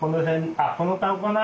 あっこの顔かな。